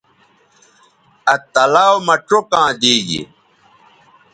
آ تلاؤ مہ چوکاں دی گی